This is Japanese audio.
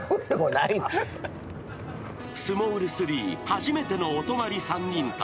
［スモール３初めてのお泊まり３人旅］